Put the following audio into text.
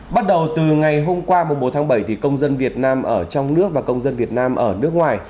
bắt đầu từ ngày hôm qua bốn tháng bảy công dân việt nam ở trong nước và công dân việt nam ở nước ngoài